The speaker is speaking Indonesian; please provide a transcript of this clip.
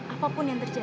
apapun yang terjadi